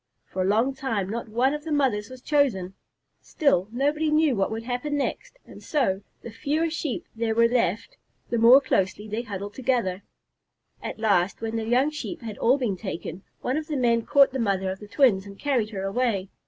For a long time not one of the mothers was chosen. Still, nobody knew what would happen next, and so, the fewer Sheep there were left, the more closely they huddled together. At last, when the young Sheep had all been taken, one of the men caught the mother of the twins and carried her away.